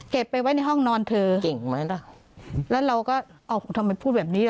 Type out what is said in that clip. ไปไว้ในห้องนอนเธอเก่งไหมล่ะแล้วเราก็เอาทำไมพูดแบบนี้ล่ะ